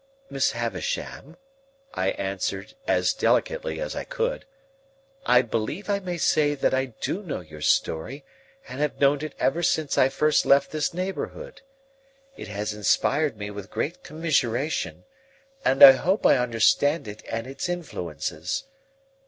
"Miss Havisham," I answered, as delicately as I could, "I believe I may say that I do know your story, and have known it ever since I first left this neighbourhood. It has inspired me with great commiseration, and I hope I understand it and its influences.